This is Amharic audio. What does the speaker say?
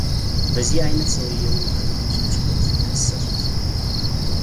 በዚህ ዓይነት ሰውየውን በንጉሱ ችሎት ከሰሱት፡፡